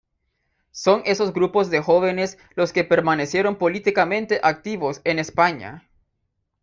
Son esos grupos de jóvenes los que permanecieron políticamente activos en España.